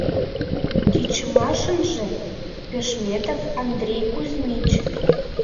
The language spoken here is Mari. Тичмашынже — Пешметов Андрей Кузьмич.